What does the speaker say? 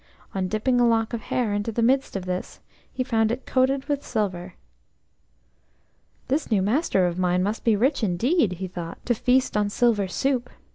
On dipping a lock of hair into the midst of this, he found it coated with silver. "This new master of mine must be rich indeed," he thought, "to feast on silver soup.